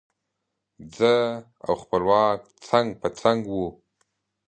زه او خپلواک څنګ په څنګ وو.